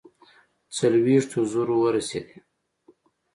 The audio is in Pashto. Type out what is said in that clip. څلوېښتو زرو ورسېدی.